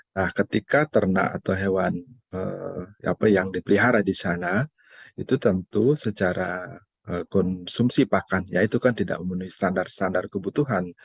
nah ketika ternak atau hewan yang dipelihara di sana itu tentu secara konsumsi pakannya itu kan tidak memenuhi standar standar kebutuhan